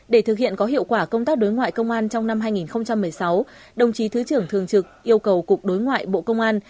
để thực hiện có hiệu quả công tác đối ngoại công an trong năm hai nghìn một mươi sáu đồng chí thứ trưởng thường trực yêu cầu cục đối ngoại bộ công an